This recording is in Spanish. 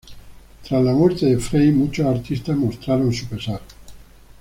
Tras la muerte de Frey, muchos artistas mostraron su pesar.